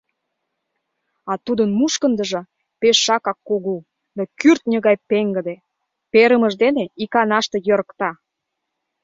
А тудын мушкындыжо пешакак кугу да кӱртньӧ гай пеҥгыде: перымыж дене иканаште йӧрыкта.